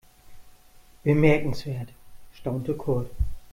Bemerkenswert, staunte Kurt.